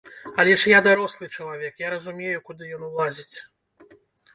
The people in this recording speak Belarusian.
Але я ж дарослы чалавек, я разумею, куды ён ўлазіць.